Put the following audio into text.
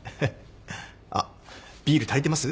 あっビール足りてます？